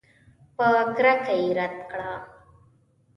په کرکه یې رد کړه.